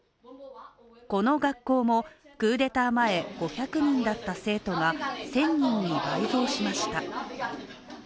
この学校もクーデター前５００人だった生徒が１０００人に倍増しました。